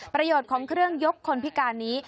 ประโยชน์ของเครื่องยกคนพิการนี้